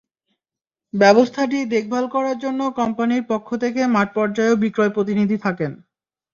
ব্যবস্থাটি দেখভাল করার জন্য কোম্পানির পক্ষ থেকে মাঠপর্যায়েও বিক্রয় প্রতিনিধি থাকেন।